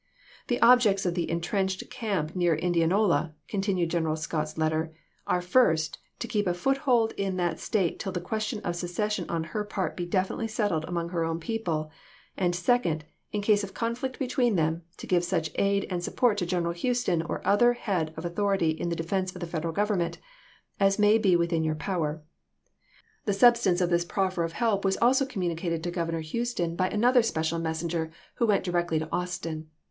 .. The objects of the intrenched camp near Indianola," continued G eneral Scott's let ter, " are, first, to keep a foothold in that State till the question of secession on her part be definitely settled among her own people, and second, in case of conflict between them, to give such aid and sup port to General Houston or other head of authority in the defense of the Federal Government as may be within your power." The substance of this proffer of help was also communicated to Governor Houston by another TEXAS 189 special messenger who went directly to Austin ; chap.